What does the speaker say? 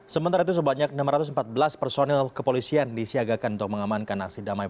sementara itu sebanyak enam ratus empat belas personil kepolisian disiagakan untuk mengamankan aksi damai